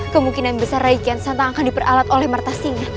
kemungkinan besar raiki yang santan akan diperalat oleh marta singa